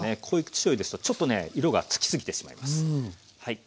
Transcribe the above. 濃い口しょうゆですとちょっとね色がつきすぎてしまいます。